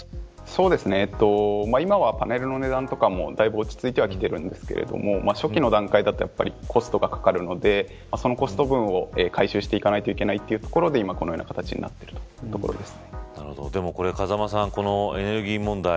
今はパネルの値段とかはだいぶ落ち着いてきてるんですけど初期の段階だとやっぱりコストがかかるのでそのコスト分を回収していかなければいけないので今は、このような形になってるということです。